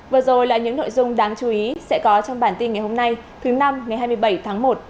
vừa rồi là những nội dung đáng chú ý sẽ có trong bản tin ngày hôm nay thứ năm ngày hai mươi bảy tháng một